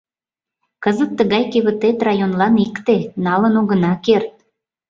Кызыт тыгай кевытет районлан икте — налын огына керт.